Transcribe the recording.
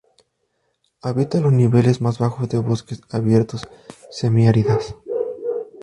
Habita los niveles más bajos de bosques abiertos semi-áridas.